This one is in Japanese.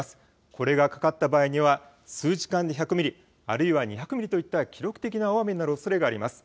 これがかかった場合には数時間で１００ミリ、あるいは２００ミリといった記録的な大雨になるおそれがあります。